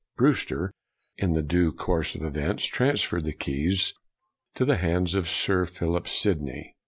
Brewster, in the due course of events, transferred the keys to the hands of Sir Philip Sidney.